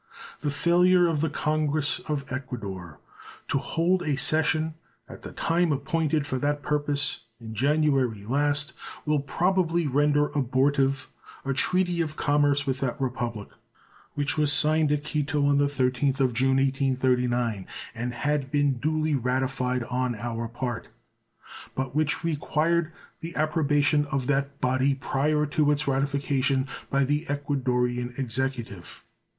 The failure of the Congress of Ecuador to hold a session at the time appointed for that purpose, in January last, will probably render abortive a treaty of commerce with that Republic, which was signed at Quito on the 13th of June, 1839, and had been duly ratified on our part, but which required the approbation of that body prior to its ratification by the Ecuadorian Executive.